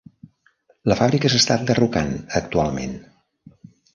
La fàbrica s'està enderrocant actualment.